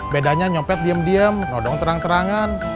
bedanya nyopet diem diem nodong terang terangan